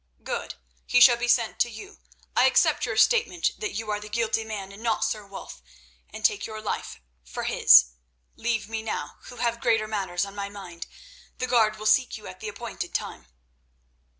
"Good; he shall be sent to you. I accept your statement that you are the guilty man and not Sir Wulf, and take your life for his. Leave me now, who have greater matters on my mind. The guard will seek you at the appointed time."